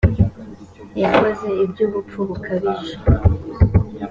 yakoze ibyubupfu bukabije.